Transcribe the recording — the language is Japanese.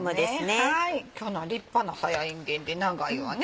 今日のは立派なさやいんげんで長いわね。